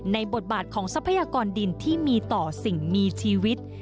บทบาทของทรัพยากรดินที่มีต่อสิ่งมีชีวิต